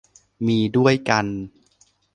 มีด้วยกัน